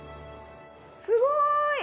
すごーい！